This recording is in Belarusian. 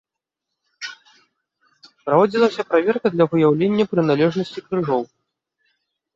Праводзілася праверка для выяўлення прыналежнасці крыжоў.